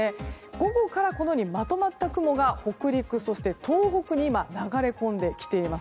午後からまとまった雲が北陸・東北に流れ込んできています。